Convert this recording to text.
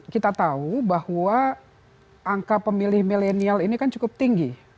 kita tahu bahwa angka pemilih milenial ini kan cukup tinggi